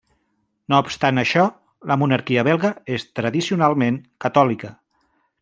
No obstant això, la monarquia belga és tradicionalment catòlica.